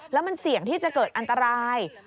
แล้วมันเสี่ยงที่จะเกิดอันตราย